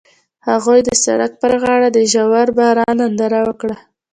هغوی د سړک پر غاړه د ژور باران ننداره وکړه.